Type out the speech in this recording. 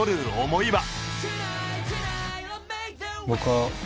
僕は。